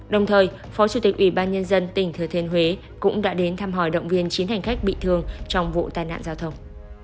đồng thời phó chủ tịch ủy ban nhân dân tỉnh thừa thiên huế cũng đã đến thăm hỏi động viên chín hành khách bị thương trong vụ tai nạn giao thông